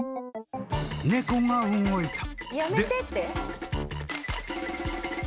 ［猫が動いた］